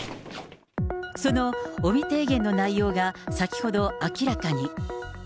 その尾身提言の内容が先ほど、明らかに。